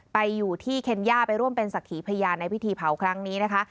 ไปอยู่ที่เคนย่าไปร่วมเป็นศักดิ์พยานในพิธีเผาครั้งนี้นะคะ